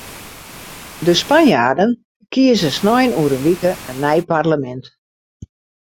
De Spanjaarden kieze snein oer in wike in nij parlemint.